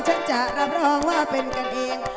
ฉันจะรับรองว่าเป็นกันเอง